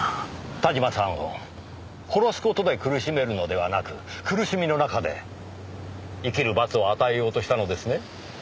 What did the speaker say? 田島さんを殺す事で苦しめるのではなく苦しみの中で生きる罰を与えようとしたのですね？